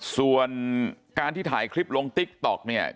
ส่วนการที่ถ่ายคลิปลงติ๊กต๊อกเนี่ย